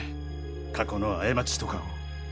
過去の過ちとかを。